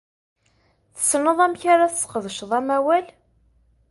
Tessneḍ amek ara tesqedceḍ amawal?